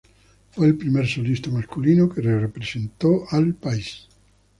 Fue el primer solista masculino que representó al país.